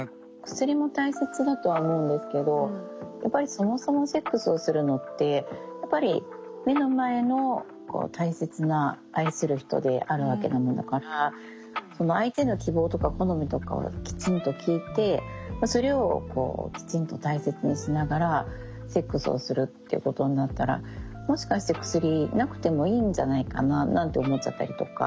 薬も大切だとは思うんですけどやっぱりそもそもセックスをするのってやっぱり目の前の大切な愛する人であるわけなのだからその相手の希望とか好みとかをきちんと聞いてそれをきちんと大切にしながらセックスをするっていうことになったらもしかして薬なくてもいいんじゃないかななんて思っちゃったりとか。